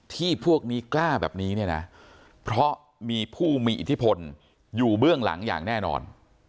พวกนี้กล้าแบบนี้เนี่ยนะเพราะมีผู้มีอิทธิพลอยู่เบื้องหลังอย่างแน่นอน